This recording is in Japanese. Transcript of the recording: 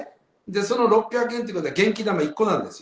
その６００円ということは元気玉１個なんです。